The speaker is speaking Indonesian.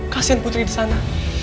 kasian putri di sana